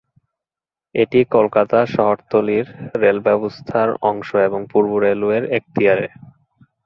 এটি কলকাতা শহরতলির রেল ব্যবস্থার অংশ এবং পূর্ব রেলওয়ের এখতিয়ারে।